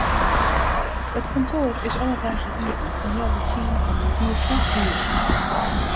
It kantoar is alle dagen iepen fan healwei tsienen oant kertier foar fiven.